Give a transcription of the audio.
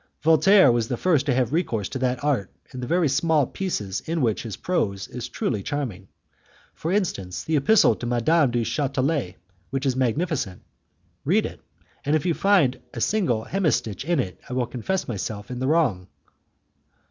Voltaire was the first to have recourse to that art in the small pieces in which his prose is truly charming. For instance, the epistle to Madame du Chatelet, which is magnificent. Read it, and if you find a single hemistich in it I will confess myself in the wrong."